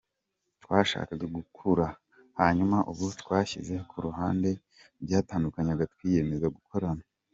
Twashakaga gukura, hanyuma ubu twashyize ku ruhande ibyadutandukanyaga twiyemeza gukorana.